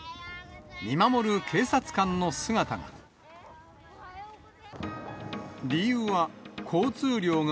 見守る警察官の姿が。